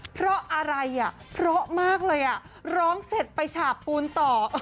เพราะอะไรอ่ะเพราะมากเลยอ่ะร้องเสร็จไปฉาบปูนต่อ